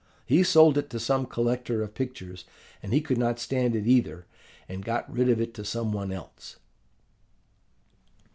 He sold it to some collector of pictures; and he could not stand it either, and got rid of it to some one else.